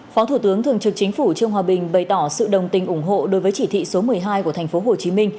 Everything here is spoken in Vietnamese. phó thủ tướng thường trực chính phủ trương hòa bình bày tỏ sự đồng tình ủng hộ đối với chỉ thị số một mươi hai của tp hcm